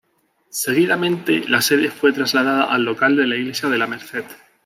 Seguidamente la sede fue trasladada al local de la iglesia de La Merced.